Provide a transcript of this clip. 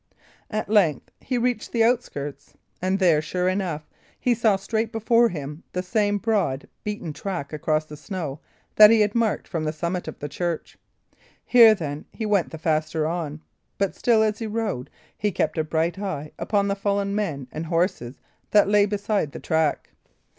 At length he reached the outskirts, and there, sure enough, he saw straight before him the same broad, beaten track across the snow that he had marked from the summit of the church. Here, then, he went the faster on; but still, as he rode, he kept a bright eye upon the fallen men and horses that lay beside the track.